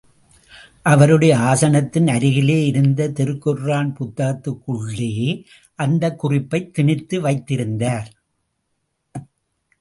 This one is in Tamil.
அவருடைய ஆசனத்தின் அருகிலே இருந்த திருக்குர்ஆன் புத்தகத்துக்குள்ளே அந்தக் குறிப்பைத் திணித்து வைத்திருந்தார்.